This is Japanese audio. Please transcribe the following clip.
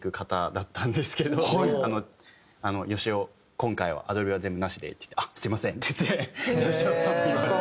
今回はアドリブは全部なしで」って言って「あっすみません」って言って芳雄さん言われて。